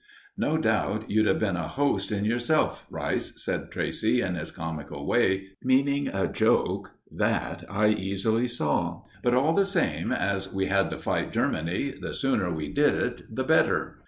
"No doubt you'd have been a host in yourself, Rice," said Tracey in his comical way, meaning a joke, which I easily saw; "but, all the same, as we had to fight Germany, the sooner we did it the better."